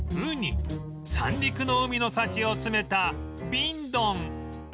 三陸の海の幸を詰めた瓶ドン